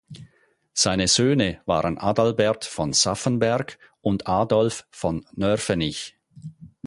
Seine Söhne waren Adalbert von Saffenberg und Adolf von Nörvenich.